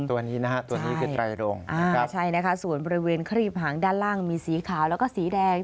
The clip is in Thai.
ตัวนี้คือไตรรงส่วนบริเวณครีบหางด้านล่างมีสีขาวแล้วก็สีแดง